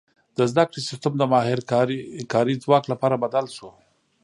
• د زده کړې سیستم د ماهر کاري ځواک لپاره بدل شو.